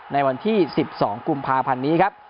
ในวันที่๑๒กุมภาพันธ์นี้ครับ